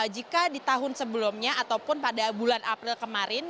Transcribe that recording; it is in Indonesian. jika di tahun sebelumnya ataupun pada bulan april kemarin